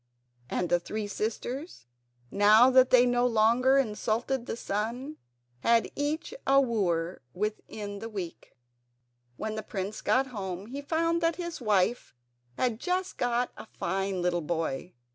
And the three sisters, now that they no longer insulted the sun, had each a wooer within a week. When the prince got home he found that his wife had just got a fine little boy.